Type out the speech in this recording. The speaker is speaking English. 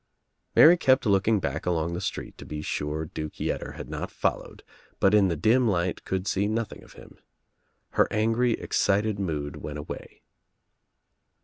Mary kept looking back along the street to be sure 78 THE TRIUMPH OF THE EGG Duke Yetter had not followed but in the dim light could see nothing of him. Her angry excited mood went away.